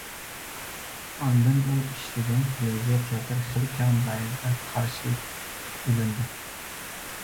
ئاندىن ئۇ ئىشلىگەن تېلېۋىزىيە تىياتىرى خېلى كەڭ دائىرىدە قارشى ئېلىندى.